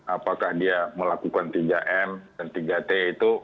apakah dia melakukan tiga m dan tiga t itu